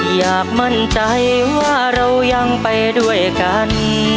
อยากมั่นใจว่าเรายังไปด้วยกัน